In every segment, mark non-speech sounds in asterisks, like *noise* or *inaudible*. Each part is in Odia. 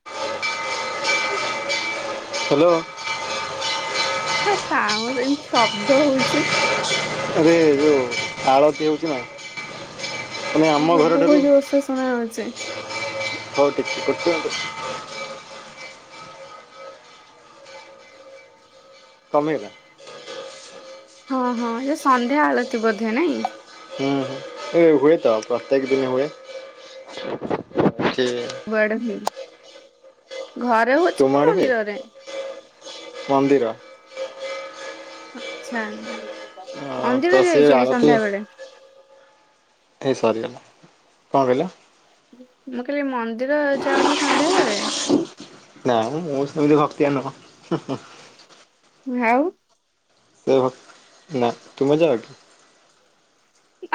*unintelligible* ହେଲୋ। ହେଁ ସାଉଣ୍ଡ ଏମିତି ଶବ୍ଦ ହଉଛି। ରେ ଓଁ ଆଳତୀ ହଉଛି ନାଁ। ଓଁ ହଁ ବହୁତ ଜୋରସେ ଶୁଣା ଯାଉଛି। *unintelligible* ହଉ ଠିକୀ ଅଛି କରୁଛୀ *unintelligible* ତମେ ବା। ଓଁ ହଁ ଏ ସନ୍ଧ୍ୟା ଆଳତୀ ବୋଧେ ନାଇଁ? ହୁଁ ହୁଁ ହୁଏତ ପ୍ରତ୍ୟେକ ଦିନ ହୁଏ। ଏଠି କୁଆଡେ ସେ? ଘରେ ଆଉ ଅଛି ତୁମ ନାଁ ଆଡ଼େ ହୁଏ ମନ୍ଦିରରେ? ମନ୍ଦିର ନାଁ ଆଛା ଅଁ, ତ ମନ୍ଦିର ସିଏ ଯାଇଛ କି ଆଳତି ସନ୍ଧ୍ୟାବେଳେ? ହେଇ ସରିଗଲା କଣ କହିଲ? ମୁଁ କହିଲି ମନ୍ଦିର ଯାଅ କି ସନ୍ଧ୍ୟାବେଳେ? ନାଁମ ମୁଁ ସେମିତ ଭକ୍ତିଆ ନୁହଁ। ଆଉଁ। *unintelligible* ନେ୍ଭର ନାଁ ତୁମେ ଯାଅକି?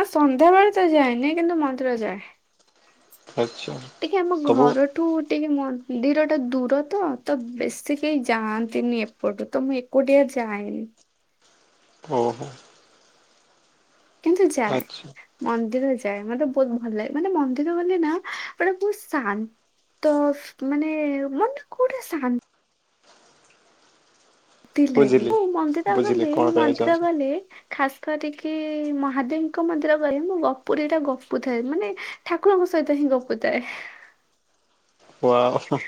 ଆଁ ସନ୍ଧ୍ୟାବେଳେ ତ ଯାଏନି କିନ୍ତୁ ମନ୍ଦିର ଯାଏଁ। ଆଚ୍ଛା ଟିକେ ଆମ ସବୁ ଘରଠୁ ଟିକେ ମନ୍ଦି ମନ୍ଦିର ଟା ଦୂର ତ ତ ବେଶୀ କେହି ଯାଆନ୍ତିନି ଏପଟୁ ତ ମୁଁ ଏକୁଟିଆ ଯାଏନି ଓଁ ହୋ। କିନ୍ତୁ ଯାଏଁ ମନ୍ଦିର ଯାଏ ମତେ ବହୁତ ଭଲଲାଗେ ମାନେ ମନ୍ଦିର ଗଲେ ନା ମାନେ ବହୁତ ଶାନ୍ତି। ତ ସଁ ମାନେ ମନଟା କଉଁଟା ଶାନ୍ତି ଶାନ୍ତିଲାଗେ ବୁଝିଲି ମୁଁ ମନ୍ଦିର ବୁଝିଲି ଗଲେ କଣ ମୁଁ କହିବାକୁ ମନ୍ଦିର ଚାହୁଁଛ ଗଲେ ଖାସ କରିକି ମହାଦେବଙ୍କ ମନ୍ଦିର ଗଲେ ମୁଁ ଗପୁରୀଇଟା ଗପୁ ଥାଏ ମାନେ ଠାକୁରଙ୍କ ସହିତ ହିଁ ଗପୁ ଥାଏ। ହଁ *inaudible* ୱାଓ ହୁଁ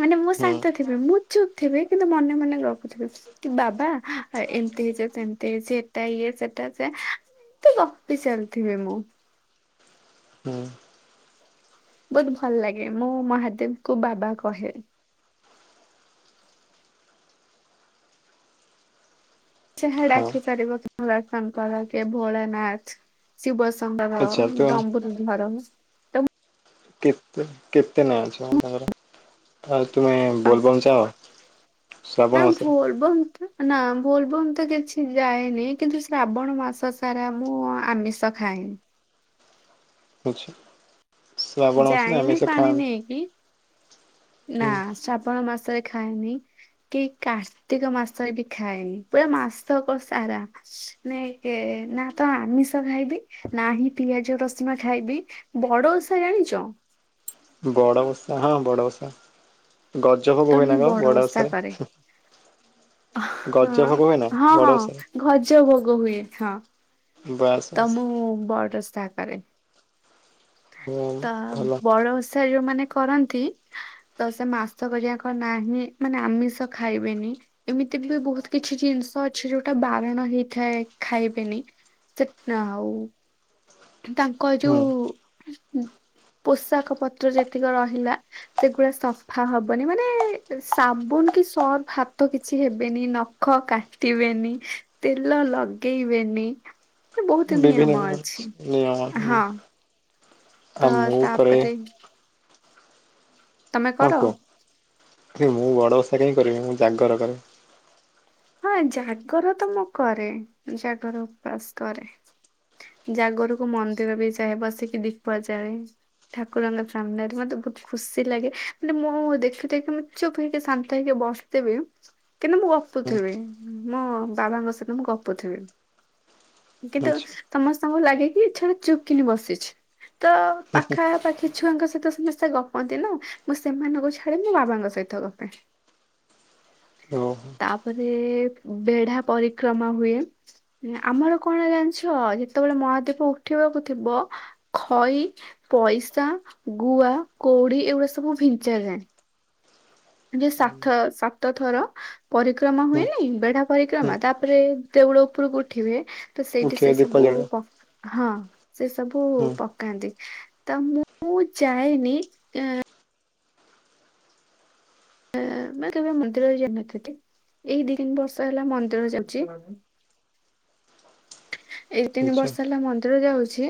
ମାନେ ମୁଁ ଶାନ୍ତ ଥିବି ମୁଁ ଚୁପ ଥିବି କିନ୍ତୁ ମନେ ମନେ ଭାବୁଥିବି କି ବାବା ଏମତି ହେଇଚୀ ସେମିତି ହେଇଛି ଏଟା ଇଏ ସେଟା ସେଇୟା ହେଁ ଏମିତି ଗପି ଚାଲିଥିବି ମୁଁ ହୁଁ ବହୁତ ଭଲଲାଗେ ମୁଁ ମୋ ମହାଦେବଙ୍କୁ ବାବା କହେ ଯାହା ହଁ ଡାକି ପାରିବ କି ଭୋଳାଶଙ୍କର କେଁ ଭୋଳନାଥ ଶିବସଂଭୁ ଧର ଆଚ୍ଛା ତ ଡମ୍ବୁରୁ ଧର ଡ଼ମ୍ବ କେତେ କେତେ ନାଁ ଅଛି ମ ତାଙ୍କର ଆଁ ତୁମେ ବୋଲବମ୍ ଯାଅ ଶ୍ରାବଣ ମାସରେ? ନାଁ ବୋଲବମ ତ କିଛି ଯାଏନି କିନ୍ତୁ ଶ୍ରାବଣ ମାସ ସାରା ମୁଁ ଆମିଷ ଖାଁଏନି ହୁଁ। ଆଚ୍ଛା ଶ୍ରାବଣ ମାସରେ ଯାଏନି ଆମିଷ ଖାନ୍ତି? ନାଁ ଶ୍ରାବଣ ମାସଏ ଖାଏନି କି କାର୍ତ୍ତିକ ମାସରେ ବି ଖାଏନି ପୁରା ମାସକ ସାରା। ନାଁଇ ଯେ ନା ତ ଆମିଷ ଖାଇବି ନାହିଁ ପିଆଜ ରସୁଣ ଖାଇବି ବଡ ବଡ଼ଓଷା ଜାଣିଚ? ବଡ଼ଓଷା ହଁ ବଡ଼ଓଷା ତ ଗଜଭୋଗ ହୁଏନାଁ କଣ ବଡଓସାରେ ହ ହଁ ବଡ ହଁ ଓଷାରେ ଗଜ ଭୋଗ ହୁଏ ହଁ ବାସ୍ ତ ବାସ୍ ମୁଁ ବଡ଼ଓଷା କରେ। ହୁଁ ତା ଭଲ ବଡଓସାରେ ଯେଉଁ ମାନେ କରନ୍ତି ତ ସେ ମାସକ ଯାକ ନାହିଁ ମାନେ ଆମିଷ ଖାଇବେନି ଏମିତି ଏମତିବି ବହୁତ କିଛି ଜିନିଷ ଅଛି ଯୋଉଟା ବାରଣ ହେଇଥାଏ ଖାଇବେନି ସେକ ନା ଆଉ ତାଙ୍କ ହୁଁ। ଯୋଉ ପୋଷାକ ପତ୍ର ଯେତିକି ରହିଲା ସେଗୁଡା ସଫା ହବନି ମାନେ ସାବୁନ କି ସର୍ ଭାତ କିଛି ହେବେନି ନଖ କାଟିବେନି ତେଲ ଲଗେଇବେ ନି ବିଭିନ୍ନକାର ନିୟମ ହଁ ହୁଁ। ଆଉ ତ ମୁଁ କରେ ତାପରେ ତମେ ହଁ କର? କୁହ? ମୁଁ ବଡ଼ବଷା କାହିଁ କରିବି ମୁଁ ଜାଗର କରେ। ହଁ ଜାଗର ତ ମୁଁ କରେ ଜାଗର ଉପାସ କରେ। ଜାଗରକୁ ମନ୍ଦିର ବି ଯାଏ ବସିକି ଦୀପ ଯାଳେ ଠାକୁରଙ୍କ ସାମ୍ନାରେ ମତେ ବହୁତ ଖୁସି ଲାଗେ ମାନେ ମୁଁ ଦେଖି ଦେଇକି ମୁ ଚୁପ ହେଇକି ଶାନ୍ତ ହେଇକି ବ ବସିଥିବି କିନ୍ତୁ ମୁଁ ଗପ୍ ତ ହୁଁ ଥିବେ ମୋ ବାବାଙ୍କ ସହିତ ମୁଁ ଗପୁଥିବି। କିନ୍ତୁ ଆଚ୍ଛା ତମ ସବୁ ଲାଗେ କି ଛୁଆଟା ଚୁପକିନି ବସିଛି ତ ପାଖାପାଖି ଛୁଆଙ୍କ ସହିତ ସମସ୍ତେ ଗପନ୍ତି ନା ମୁଁ ସେମାନଙ୍କୁ ଛାଡି ମୋ ବାବାଙ୍କ ସହିତ ଗପେ। ଓହୋ। ତାପରେ ବେଢା ପରିକ୍ରମା ହୁଏ ଆମର କଣ ଜାଣିଛ ଯେ ଯେତେବେଳେ ମହାଦୀପ ଉଠିବାକୁ ଥିବ ଖଇ ପଇସା ଗୁଆ କୋ କୋଉଡି ଏଗୁଡା ସବୁ ଭିଞ୍ଚା ଯାଏ। ଯେ ସାତ ସାତ ଥର ପରିକ୍ରମା ହୁଏନି ବେଢା ହୁଁ ପରିକ୍ରମା ତାପରେ ଦେ ଉଳ ଉପରକୁ ଉଠିବେ ତ ସେଇଠି ଉଠିବ ସେ ଦୀପ ସବୁ ଜାଳିବ ପ ହଁ ସେ ସବୁ ହୁଁ ପକାନ୍ତି ତ ମୁଁ ଯାଏନି ମୂ କେବେ ମନ୍ଦିର ଯାଇନଥିଲି। ଏଇ ଦି ତିନି ବର୍ଷ ହେଲା ମନ୍ଦିର ଯାଉଛି। ଏଇ ତିନି ଆଚ୍ଛା ବର୍ଷ ହେଲା ମନ୍ଦିର ଯାଉ ଛି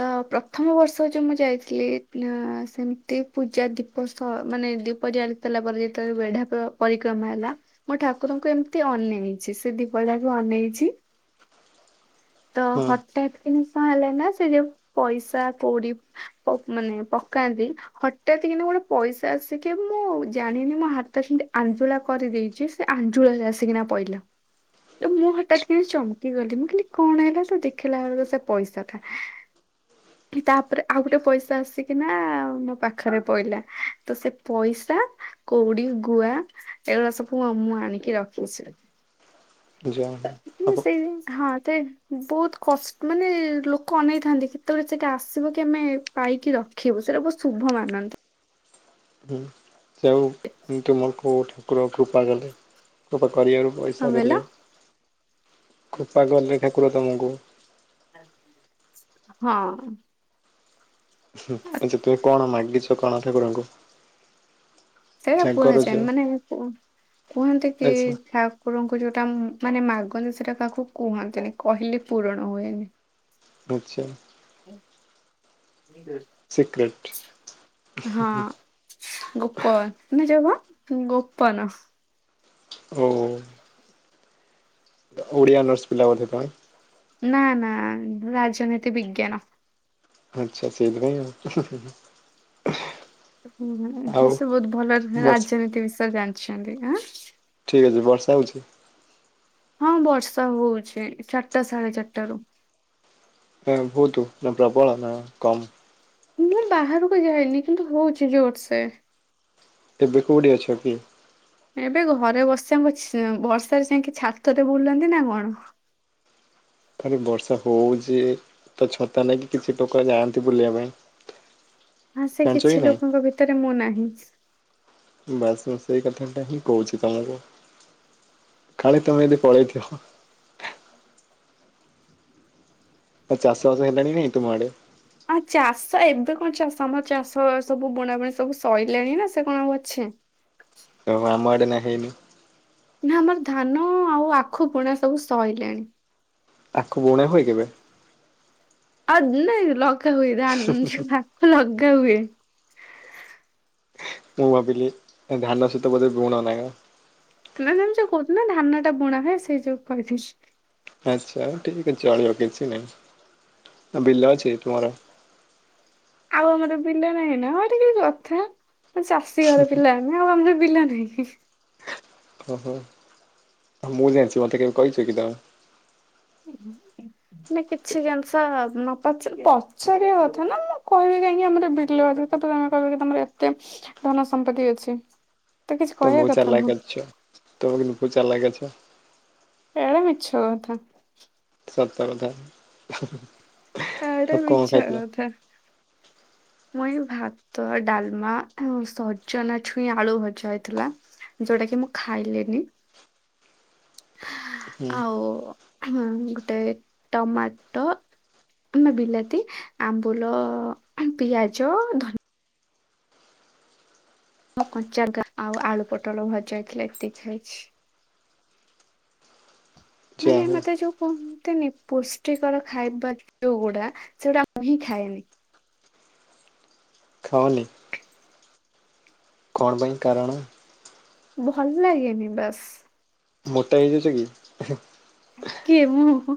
ତ ପ୍ରଥମ ବର୍ଷ ଯୋଉ ମୁଁ ଯାଇଥିଲି ଆଁ ସେମିତି ପୂଜା ଦୀପ ଶ ମାନେ ଦୀପ ଜାଳି ସାରିଲା ପରେ ଯେତେବେଳେ ବେଢା ପ ପରିକ୍ରମା ହେଲା ମୁଁ ଠାକୁରଙ୍କୁ ଏମିତି ଅନେଇ ଛି ସେ ଦୀପ ଟାକୁୁ ଅନେଇଛି ତ ହୁଁ ହଠାତ୍ କିନି କଣ ହେଲାନା ସେ ଯଉ ପଇସା କୋଉଡି ପ ମାନେ ପକାନ୍ତି ହଠାତ୍ କିନି ଗୋଟେ ପଇସା ଆସିକି ମୁଁ ଜାଣିନି ମୋ ହାତ ସେମିତି ଆଞ୍ଜୁଳା କରିଦେଇଛି। ସେ ଆଞ୍ଜୁଳାରେ ଆସିକିନା ପଇଲା। ମୁଁ ହଠାତ୍ କିନି ଚମକି ଗଲି ମୁଁ କହିଲି କଣ ହେଲା ସେ ଦେଖିଲା ବେଳକୁ ସେ ପଇସା ଟା ତାପରେ ଆଉ ଗୋଟେ ପଇସା ଆସିକି ନା ମୋ ପାଖରେ ପଇଲା ତ ସେ ପଇସା କୋଉଡି ଗୁଆ ଏଗୁଡା ସବୁ ମୁଁ ଆଣିକି ରଖିଛି। ଯା ହୋଉ ଆପ ତ ବହୁତ କଷ୍ଟ ମାନେ ଲୋକ ଅନେଇଥାନ୍ତି କେତେବେଳେ ସେଟା ଆସିବ କି ଆମେ ପାଇକି ରଖ୍ ରଖିବୁ ସେଇଟା ବହୁତ ଶୁଭ ମାନନ୍ତି ସେଉ ତୁମ ଠାକୁର କୃପା କଲେ କୃପା କରିବାରୁ କଣ ପଇସା କହିଲ ଦେଲେ କୃପାାକଲେ ଠାକୁର ତମକୁ। ହଁ। ଆଚ୍ଛା ତୁମେ କଣ ମାଗିଛ କଣ ଠାକୁରଙ୍କୁ? ସେଇଟା ଜାଗରୁଛ କୁହାଯାଏନ ମାନେ କୁହନ୍ତି କି ଆଚ୍ଛା ଠାକୁରଙ୍କ ଯୋଉଟା ମାନେ ମାଗନ୍ତି ସେଟା କାହାକୁ କୁହନ୍ତିନି କହିଲେ ପୂରଣ ହୁଏନି ଆଛା। ସିକ୍ରେଟ *inaudible* ହଁ ଗୋପ ନ ଯବ? ଗୋପନ। ଓ। ଓଡିଆ ଅନର୍ସ ପିଲା ବୋଧେ ତମେ? ନା ନା ରାଜନୀତି ବିଜ୍ଞାନ। ଆଚ୍ଛା ସେଇଗୁଡା ହିଁ ଆଉ। ଆଉ ସେ ବହୁତ ଭଲ ବର୍ଷା ରାଜନୀତି ବିଷୟରେ ଜାଣିଛନ୍ତି ଆଁ। ଠିକ ବର୍ଷା ହଉଛି। ହଁ ବର୍ଷା ହଉଛି ଚାରଟା ସାଢେ ଚାରଟା ରୁ। ହଁ ବହୁତ ନା ପ୍ରବଳ ନା କମ୍? ମୁଁ ବାହାରକୁ ଯାଇନି କିନ୍ତୁ ହଉଛି ଜୋରସେ। ଏବେ କଉଠି ଅଛ କି? ଏବେ ଘରେ ବସଚେ ଙ୍କ ବର୍ଷାରେ ଯାଇକି ଛାତରେ ବୁଲନ୍ତି ନା କଣ। ଖାଲି ବର୍ଷା ହଉଛି ତ ଛତା ନେଇକି କିଛି ଟୋକ ଯାଆନ୍ତି ବୁଲିବା ପାଇଁ। ହଁ ସେ ଜାଣିଛ କି କିଛି ନାଇଁ? ଲୋକଙ୍କ ଭିତରେ ମୁଁ ନାହିଁ। ବାସ ମୁଁ ସେଇ କଥାଟା ହିଁ କହୁଛି ତମକୁ। କାଳେ ତମେ ଯଦି ପଳେଇଥିଅ। ଆଉ ଚାଷ ବାସ ହେଲାଣି ନାଇଁ ତୁମ ଆଡେ? ଆଉ ଚାଷ ଏବେ କଣ ଚାଷ ଆମର ଚାଷ ସବୁ ବୁଣାବୁଣି ସବୁ ସଇଲାଣି ନା ସେ କଣ ଆଉ ଅଛି। ଏଁ। କ ଆମ ଆଡେ ନା ହେଇନି। ନା ଆମର ଧାନ ଆଉ ଆଖୁ ପଣା ସବୁ ସଇଲାଣି। ଆଖୁ ବୁଣା ହୁଏ କେବେ? ଆଉ ନାଇ ଲଗା ହୁଏ ଧା ଆଖୁ ଲଗା ହୁଏ। ମୁଁ ଭାବିଲି ଧାନ ସହିତ ବୋଧେ ବୁଣ ନା କ। ନା ନା ମୁଁ ସେୟା କହୁଥିଲ ନା ଧାନ ଟା ବୁଣା ହଏ ସେଇ ଯୋଉ କହିଥି। ଆଚ୍ଛା ଠିକ ଅଛି ଚଳିବ କିଛି ନାହିଁ। ଆ ବିଲ ଅଛି ତମର? ଆଉ ଆମର ପିଲା ନାହିଁ ନା ହ ଟି କି କଥା ଚାଷୀ ଘର ପିଲା ଆଉ ଆମ ବିଲ ନାହିଁ। ଓ ହୋ ମୁଁ ଜାଣିଛି ମତେ କେବେ କହିଛୁ କି ତମେ। ହୁଁ। ନା କିଛି ଜିନିଷ ନ ପଚ ପଚାରିବା କଥା ନା ମୁଁ କହିବି କାହିଁକି ଆମର ବିଲ ତାପରେ ଆମେ କହିବା କି ତମର ଏତେ ଧନ ସମ୍ପତ୍ତି ଅଛି। ତ କିଛି ତମେ କହିବା ବହୁତ୍ କଥା ଚାଲାକ୍ ନୁହଁ ଅଛ ତମେ ବିଲକୁଲ ଚାଲାକ୍ ଅଛ। ଏଟା ମିଛ କଥା। ସତ କଥା। ଏଟା ଆଉ କଣ ମିଛ ଖାଇଥିଲ? କଥା। ମୁ ଏଇ ଭାତ ଡାଲମା ଆଉ ସଜନା ଛୁଇଁ ଆଳୁ ଭଜା ହେଇଥିଲା ଯୋଉଟା କି ମୁଁ ଖାଇଲିନି। ହୁଁ ଆଉ ଗୋଟେ ଟମାଟୋ। *unintelligible* ବିଲାତି ଆମ୍ବୁଲ ପିଆଜ ଧନି କଞ୍ଚା ଗାଁ ଆଉ ଆଳୁ ପୋଟଳ ଭଜା ହେଇଥିଲା ଏତିକ ଖାଇଛି। ଯାହା ମାନେ ହଉ ମତେ ଯୋଉ କହୁଁ। ତିନି ପୁଷ୍ଟିକର ଖାଇବା ଯୋଉଗୁଡା ସେଗୁଡା ମୁଁ ହିଁ ଖାଏନି। ଖାଓନି। କଣ ପାଇଁ କାରଣ। ଭଲ ଲାଗେନି ବାସ। ମୋଟା ହେଇଯାଉଛ କି? କିଏ ମୁଁ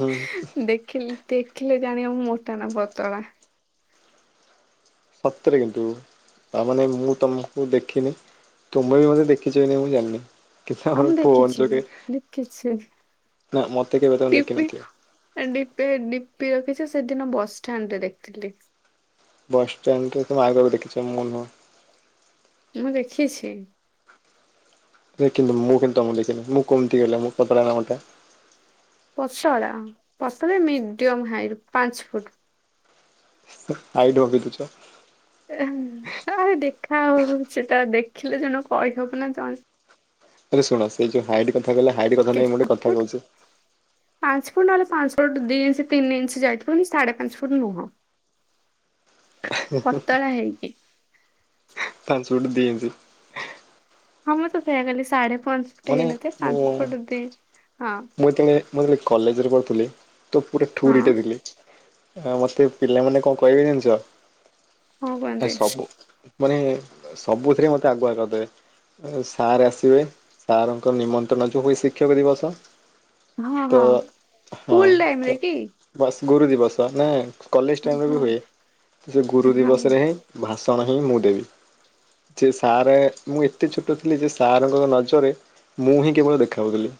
ହୁଁ ଦେଖିଲି। ଦେଖିଲେ ଜାଣିବା ମୋଟା ନା ବତଳା । ସତରେ କିନ୍ତୁ ତାମାନୋନ ମୁଁ ତମକୁ ଦେଖିନି। ତୁମେ ବି ମତେ ଦେଖିଛ ନାଇଁ ମୁଁ ଜାଣିନି। କିନ୍ତୁ ଆ ଆମର ମୁଁ ଫୋନ ଦେଖିଛି ଯୋଗେ ଲିଖିଛି ନା ମତେ କେବେ ତମେ । ପ ଦେଖିନଥିବ। କଣ୍ିପଣ୍। ି ରଖିଛି ସେଦିନ ବସ୍ଷ୍ଟାଣ୍ଡ ରେ ଦେଖିଥିଲି। ବସ୍ଷ୍ଟାଣ୍ଡରେ ତଗକୁ ଦେଖିଛ ମନ । ମୁଁ ଦେଖିଛି । ସେ କିନ୍ତୁ ମୁଁ କିନ୍ତୁ ତମ ଦେଖିନି ମୁଁ କମିତି ଗଲେ ମୁଁ ପତଳା ନା ଗୋଟେ । ପସ ପଶେ ମିଡିୟମ ହାଇଟ ପାଞ୍ଚ ଫୁଟ। ଆଇଟ ହବି ତୁଛ। ଦେଖା ହଉ ସେଟା ଦେଖିଲେ ଜଣ କହିହବ ନା ଜଣ। ଶୁଣ ସେଇ ଯୋଉ ହାଇଟ କଥା କହିଲ ହାଇଟ କଥା କେତେ ନ ମୁଁ ଟଟେ ପାଞ୍ଚ କଥା ଫୁଟ କହୁଛି। ପାଞ୍ଚ ଫୁଟ ନହେଲେ ପାଞ୍ଚ ଫୁଟ ଦି ଇଞ୍ଚ ତିନି ଇଞ୍ଚ ଯାଇଥିବନି ସାଢେ ପାଞ୍ଚ ଫୁଟ ନୁହଁ। ପତଳା ହେଇକି । ତାାନ ସୁଟ ଦେଇିନ୍ତି । ହଁ ମୁଁ ତ ସେୟା କାଲି ସାଢେ ପାଞ୍ଚ ଫୁଟ ହେଇନଥାିବ ମୁଁ ପାଞ୍ଚ ଫୁଟ ଦ। ମୁଁ ଯେତେଳେ ମୁତେଳେ କଲେଜରେ ପଢ଼ୁଥିଲି ତ ପୁରା ହଁ ଠରିୀଟେ ଥିଲି। ମତେ ପିଲାମାନେ କଣ କହିବେ ଜାଣିଛ ହଁ ଏ କୁହନ୍ତି ସବୁ ମାନେ ସବୁଥିରେ ମୋତେ ଆଗୁଆ କରିଦେବେ। ସାର୍ ଆସିବେ ସାର୍ଙ୍କ ନିମନ୍ତ୍ରଣ ଯୋଉ ହୁଏ ଶିକ୍ଷକ ଦିବସ । ହଁ ତ ହଁ ହଁ ସ୍କୁଲ ଟାଇମରେ କି? ବସ୍ । ଗୁରୁ ଦିବସ ନା କଲେଜ ହଁ ଟାଇମ୍ରେ ବି ହଁ ହୁଏ ସେ ଗୁରୁ ଦିବସରେ ହିଁ ଭାସ। ତଣ ହିଁ ମୁଁ ଦେବି ଯେ ସାର୍ ମୁଁ ଏତେ ଛୋଟ ଥିଲି ଯେ ସାର୍ଙ୍କ ନଜରରେ। ମୁଁ ହିଁ କେବଳ ଦେଖାଉଥିଲି।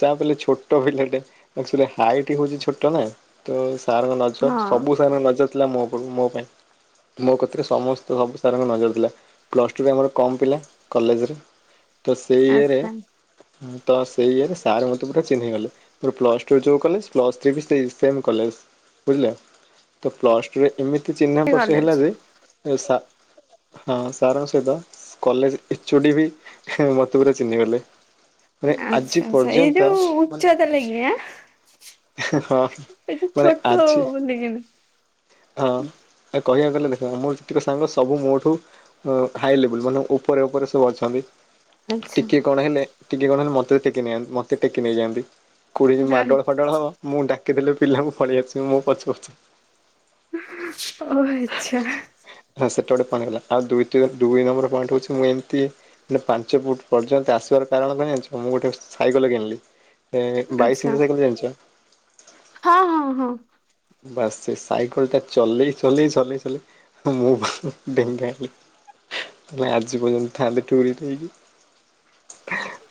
ଚା ପିଲଲେ ଛୋଟ ପିଲାଟେଚୁ ହାଇଟ ହଉଛି ଛୋଟ ନା ତ। ସାର୍ଙ୍କ ନଜର ହଁ ସବୁ ସାର୍ଙ୍କ ନଜର ଥିଲା ମୋ ଉପ ମୋ ପାଇଁ। ମୋ କଥିାରେ ସମସ୍ତେ ସବୁ ସାର୍ଙ୍କ ନଜର ଥିଲା ପ୍ଲସ୍ ଟୁ ବି ଆମର କମ୍ ପିଲା କଲେଜରେ । ତ ସେଇ ଇଏରେ। ଆଚ୍ଛା ତ ସେଇ ଇରେ ସାର୍ ମତେ ପୁରା ଚିହ୍ନି ଗଲେୋର ପ୍ଲସ ଟୁ ଯୋଉ କଲେ ପ୍ଲସ୍ ଥ୍ରୀ ସେ ସେ କଲେଜ । ବୁଝିଲ ତ ପ୍ଲସ ଟୁରେ ଏମିତି ଚିହ୍ନା ପର୍ଷ କଲେଜ ହେଲା ଯେ। ହଁ ସାରଙ୍କ ସହିତ କଲେଜ ଚୁଡ଼ି ବି ମତେ ପୁରା ଚିହ୍ନିଗଲେ । ଆଚଛା ଆଚଛା ୁ ହଚ୍ଚଦଲାଗିଆ ହଁ । ଏଠ ମାନେ ଛୋଟ ଆଜି ବଲିକ। ହଁ। କହିବାକୁ ଗଲେ ଦେଖ ମୋର ଯେତିକ ସାଙ୍ଗ ସବୁ ମୋଠୁ ହାଇ ଲେବୁଲ୍ ମାନେ ଉପରେ ଉପରେ ସବୁ ଅଛନ୍ତି। ଆଚ୍ଛା ଟିକେ କଣ ହେଲେ ଟିକେ କଣ ହେଲେ ମତେ ଟେକି ନେଇନ୍ତି ମତେ ଟେକି ନେଇଯାଆନ୍ତି। କୋଡି ମାଡୋଳ ଫାଡଳ ହବ ମୁଁ ଡାକି ଦେଥିଲି ପିଲାଙ୍କୁ ପଳେଇ ଆସିବି ମୁଁ ପଛୁ ପଛୁ। ଓ ଆଚଛା। ସେଟା ଗୋଟେ ପଗଲା ଆଉ ଦ ଦୁଇ ନମ୍ବର ପଏଣ୍ଟ ହଉଛି ମୁଁ ଏମିତି ପାଞ୍ଚ ଫୁଟ ପର୍ଯ୍ୟନ୍ତ ଆସ। କାରଣ ପାଇଁ ଜାଣିଛ ମୁଁ ଗୋଟେ ସାଇକେଲ କିଣିଲି ବାଇଶ ଆଚ୍ଛା ଇ ସାଇକେ ଜଣିଛ। ହଁ ହଁ ହଁ। ବାସ୍ ସେ ସାଇକେଲ ଟା ଚଲେଇ ଚଲେଇ ଚଲେଇ ଚଲେଇ ମୁଁ ଢେଙ୍ଗା ହେଲି। ଆେ ଆଜି ପର୍ଯ୍ୟନ୍ତ ଥାଆନ୍ତେ ଟୁରରିୀ ଦେଇକି ହ।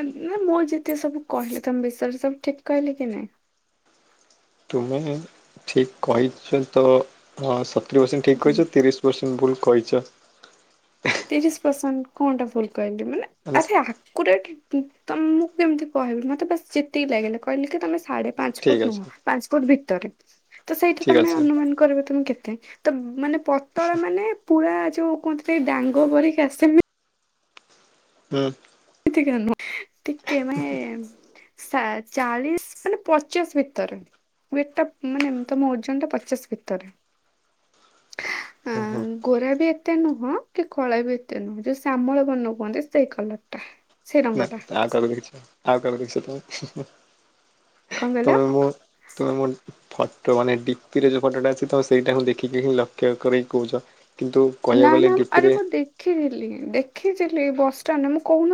ନା ମୁଁ ଯେତ ସବୁ କହିଲି ତମ ବିଷରେ ସବୁ ଠିକ କହିଲେ କି ନାଇଁ। ତୁମେ ଠିକ କହିଛ ତ ହ। ି ପରସେଣ୍ଟ ଠିକ୍ ହୁଁ କହିଛ ତିରିଶ ପରସେଣ୍ଟ ଭୁଲ କହିଛ। ତିରିଶ ପରସେଣ୍ କଣଟା ଭୁଲ କହନ୍ତି ମାନେ ଆରେ ତ। କେମିତି କହିବୁି ମତେସ ଯେତିକି ଲାଗିଲି କହିଲେ କି ତମେ ସାଢେ ପାଞ୍ଚ ଠିକ୍ ଫୁଟ ନୁହଁ ଅଛି ପାଞ୍ଚ ଫୁଟ ଭିତ ତ ସେଇଠା ଠିକ୍ ତ ଆମେ ଅଛି ଅନୁମାନ କରିବ ତମେ କେତେ ତ ମାନେ ପତଳା ମାନେ ପୁରୁର ଯୋଉ କୁହନ୍ତିଥିଲେ ଡାଙ୍ଗ ଭିକି ଆସମି ହୁଁ ଟିକେ ମାଇ ଚାଳିଶ ମାନେ ପଚାଶ ଭିତର ଟ ଟା ମାନେ ତମ ଓଜନ ଟା ପଚାଶ ଭିତରେ ଆ ଓହୋ ଗୋରା ବି ଏତେ ନୁହଁ କି ଖଳ ବି ଏତେ ନୁହଁ ଯୋଉ ଶାମଳ ବନ କୁହନ୍ତି ସେଇ କଲର ଟା ସେଇ ନା ରଙ୍ଗଟା ଆଉ କର ଦେିଖଛ ଆଉ କର ଦେିଖଛ ତମେ କଣ କହିଲ ତମେ ମୁଁ ତୁମେ ମୋ ଫଟୋ ମାନେ ଡିପିରେ ଯୋଉ ଫଟୋଟା ଅଛି ତମେ ସେଇଟା ହ ଦେଖିକି ହିଁ ଲକ୍ଷ୍ୟ କରିକି କହୁଛ କିନ୍ତୁ ନା କହିବାକୁ ଗଲେ ନା ଆରେ ଡିପିରେ ମୁଁ ଦେଖିି ଦେଖିଥିଲି ବସାଣ୍ଡ ମୁଁ କହୁନ